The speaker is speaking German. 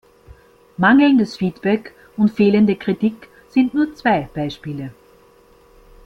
Mangelndes Feedback und fehlende Kritik sind nur zwei Beispiele.